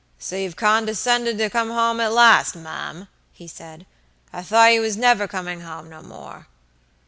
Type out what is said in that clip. "So you've condescended to come home at last, ma'am," he said; "I thought you was never coming no more."